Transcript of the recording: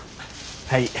はい。